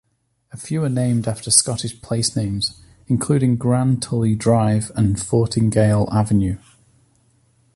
A few are named after Scottish placenames, including Grandtully Drive and Fortingall Avenue.